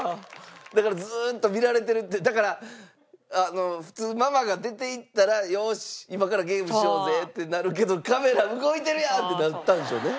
だからずーっと見られてるってだから普通ママが出ていったら「よし今からゲームしようぜ」ってなるけど「カメラ動いてるやん！」ってなったんでしょうね。